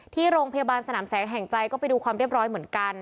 ที่โรงพยาบาลสนามแสงแห่งใจก็ไปดูความเรียบร้อยเหมือนกัน